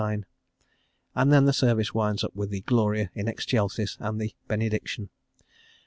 9), and then the service winds up with the Gloria in Excelsis and the Benediction.